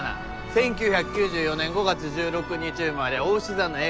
１９９４年５月１６日生まれ牡牛座のＡ型。